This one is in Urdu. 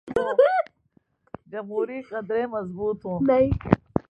جمہوری قدریں مضبوط ہوں۔